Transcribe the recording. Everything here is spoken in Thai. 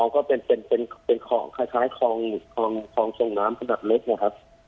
อ๋อก็เป็นเป็นเป็นเป็นของคล้ายคล้ายคลองคลองคลองทรงน้ำขนาดเล็กเนี้ยครับ